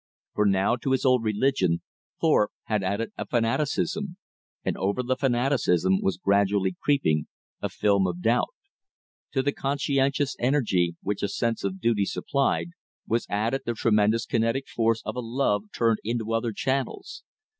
For now to his old religion Thorpe had added a fanaticism, and over the fanaticism was gradually creeping a film of doubt. To the conscientious energy which a sense of duty supplied, was added the tremendous kinetic force of a love turned into other channels.